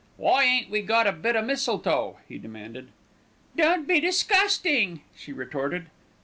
"Why ain't we got a bit o' mistletoe?" he demanded. "Don't be disgusting," she retorted.